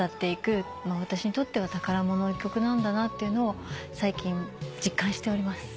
私にとっては宝物の曲なんだなっていうのを最近実感しております。